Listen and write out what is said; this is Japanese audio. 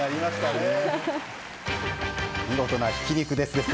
見事なひき肉でーす！